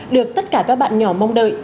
được tất cả các bạn nhỏ mong đợi